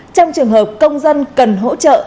trong trường hợp công dân cần hỗ trợ